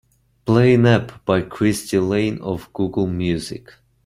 Play an ep by Cristy Lane off google music.